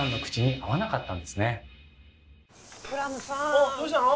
おっどうしたの？